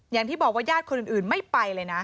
อย่างที่บอกว่าญาติคนอื่นไม่ไปเลยนะ